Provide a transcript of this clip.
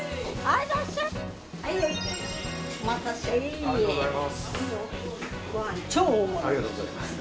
ありがとうございます。